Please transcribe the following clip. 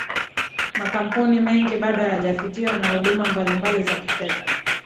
makampuni mengi bado hayajafikiwa na huduma mbalimbali za kifedha